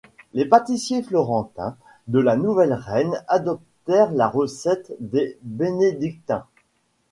Les pâtissiers florentins de la nouvelle reine adoptèrent la recette des bénédictins.